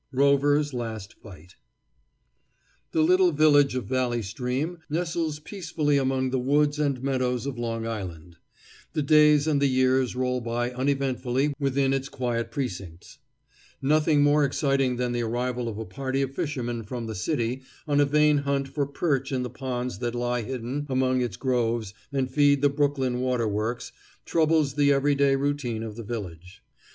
ROVER'S LAST FIGHT The little village of Valley Stream nestles peacefully among the woods and meadows of Long Island. The days and the years roll by uneventfully within its quiet precincts. Nothing more exciting than the arrival of a party of fishermen from the city, on a vain hunt for perch in the ponds that lie hidden among its groves and feed the Brooklyn water works, troubles the every day routine of the village.